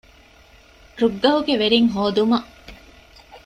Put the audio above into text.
ރުއްގަހުގެ ވެރިންހޯދުމަށް